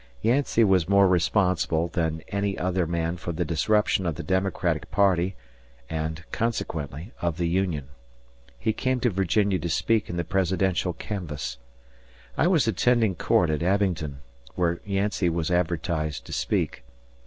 Yancey was more responsible than any other man for the disruption of the Democratic Party and, consequently, of the Union. He came to Virginia to speak in the Presidential canvass. I was attending court at Abingdon, where Yancey was advertised to speak.